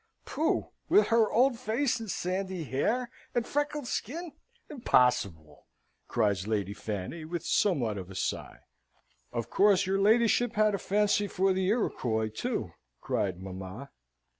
"Pooh! with her old face and sandy hair and freckled skin! Impossible!" cries Lady Fanny, with somewhat of a sigh. "Of course, your ladyship had a fancy for the Iroquois, too!" cried mamma.